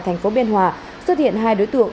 thành phố biên hòa xuất hiện hai đối tượng